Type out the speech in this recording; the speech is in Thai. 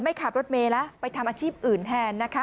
ไม่ขับรถเมย์แล้วไปทำอาชีพอื่นแทนนะคะ